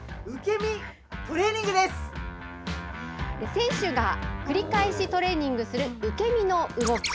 選手が繰り返しトレーニングする受け身の動き。